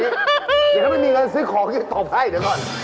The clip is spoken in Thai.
เดี๋ยวถ้าไม่มีเงินซื้อของจะตบให้เดี๋ยวก่อน